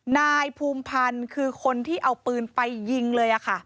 นายภูมิพันธ์คือคนที่เอาปืนไปยิงเลย